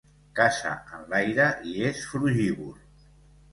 Caça en l'aire i és frugívor.